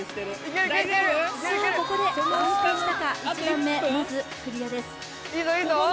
さあ、ここで安心したか、１段目、まずはクリアです。